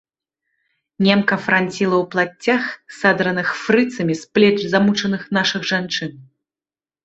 Немка франціла ў плаццях, садраных фрыцамі з плеч замучаных нашых жанчын.